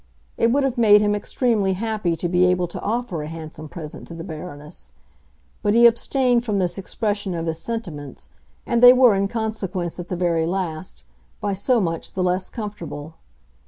It would have made him extremely happy to be able to offer a handsome present to the Baroness; but he abstained from this expression of his sentiments, and they were in consequence, at the very last, by so much the less comfortable.